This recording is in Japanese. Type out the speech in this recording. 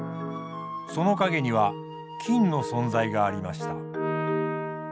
その陰には金の存在がありました。